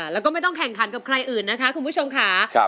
แล้วก็ไม่ต้องแข่งขันกับใครอื่นนะคะคุณผู้ชมค่ะ